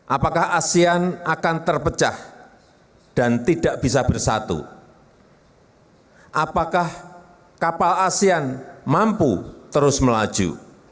apakah asean akan terpecah dan tidak bisa bersatu apakah kapal asean mampu terus melaju